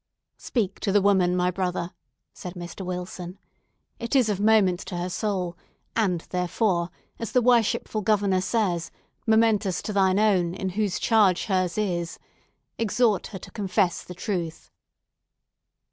"Speak to the woman, my brother," said Mr. Wilson. "It is of moment to her soul, and, therefore, as the worshipful Governor says, momentous to thine own, in whose charge hers is. Exhort her to confess the truth!"